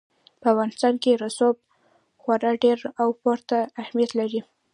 په افغانستان کې رسوب خورا ډېر او پوره اهمیت لري.